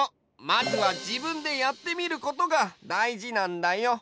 まずは「自分で」やってみることがだいじなんだよ。